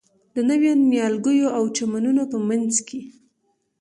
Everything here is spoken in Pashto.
د نویو نیالګیو او چمنونو په منځ کې.